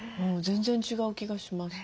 全然違う気がします。